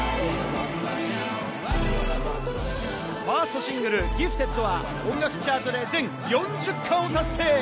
ファーストシングル『Ｇｉｆｔｅｄ．』は音楽チャートで全４０冠を達成！